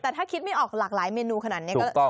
แต่ถ้าคิดไม่ออกหลากหลายเมนูขนาดนี้ก็เสียเส้นสีแล้ว